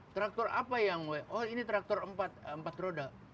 traktor apa yang oh ini traktor empat roda